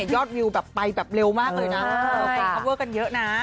ยอดวิวไปเร็วมากเลยนะควบคุมกันเยอะนะ